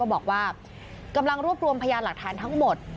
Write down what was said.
บอกว่ากำลังรวบรวมพยานหลักฐานทั้งหมด